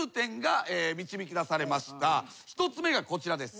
１つ目がこちらです。